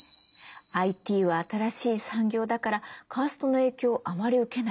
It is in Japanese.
ＩＴは新しい産業だからカーストの影響をあまり受けない。